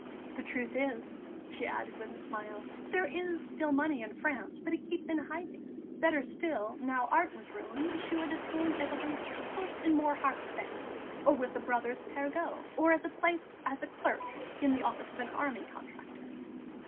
"The truth is," she added, with a smile, "there is still money in France, but it keeps in hiding." Better still, now Art was ruined, she would obtain Évariste a post in Morhardt's bank or with the Brothers Perregaux, or a place as clerk in the office of an army contractor.